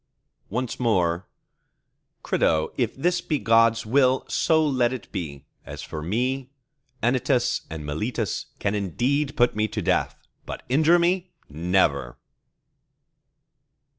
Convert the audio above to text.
Once more:— Crito, if this be God's will, so let it be. As for me, Anytus and Meletus can indeed put me to death, but injure me, never!